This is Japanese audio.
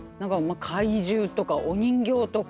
怪獣とかお人形とか？